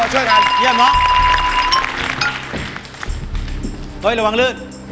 เฮ้ยระวังลืด